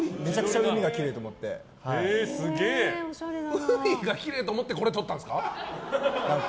海がきれいと思ってこれを撮ったんですか？